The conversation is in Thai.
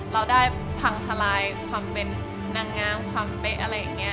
เราได้พังทลายความเป็นนางงามความเป๊ะอะไรอย่างนี้